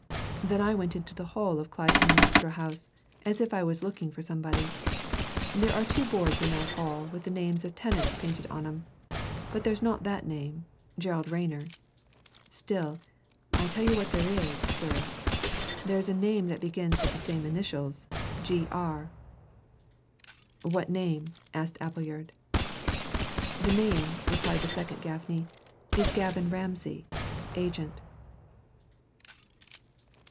Then I went into the hall of Clytemnestra House, as if I was looking for somebody. There are two boards in that hall with the names of tenants painted on 'em. But there's not that name Gerald Rayner. Still, I'll tell you what there is, sir there's a name that begins with the same initials G.R." "What name?" asked Appleyard. "The name," replied the second Gaffney, "is Gavin Ramsay Agent."